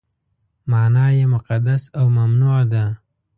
معنا یې مقدس او ممنوع ده.